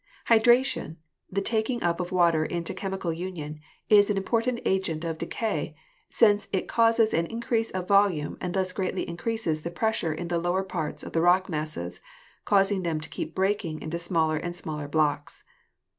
Hydration, the taking up of water into chemical union, is an important agency of decay, since it causes an increase of volume and thus greatly increases the pressure in the lower parts of rock masses, causing them to keep breaking into smaller and smaller blocks.